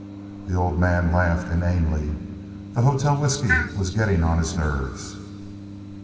The old man laughed inanely. The hotel whiskey was getting on his nerves.